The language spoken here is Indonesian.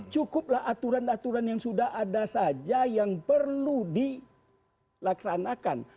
cukuplah aturan aturan yang sudah ada saja yang perlu dilaksanakan